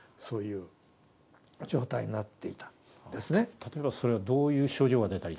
例えばそれはどういう症状が出たりするんですか？